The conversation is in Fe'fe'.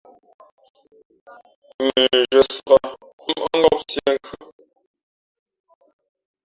Mʉnzhwě sāk, mmάʼ ngāp siē , nkhʉ́ά.